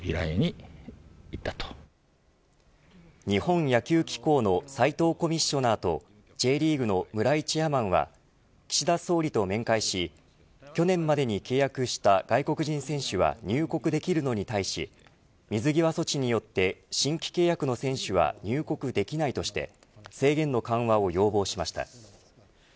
日本野球機構の斉藤コミッショナーとＪリーグの村井チェアマンは岸田総理と面会し去年までに契約した外国人選手は入国できるのに対し水際措置によって新規契約の選手は入国できないとして制限の緩和を要望しました。